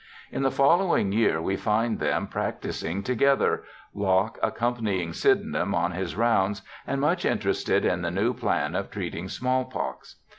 In the following year we find them practising together, Locke accompanying Sydenham on his rounds and much interested in the new plan of treating small pox.